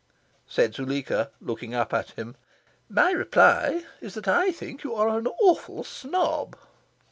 Said Zuleika, looking up at him, "My reply is that I think you are an awful snob."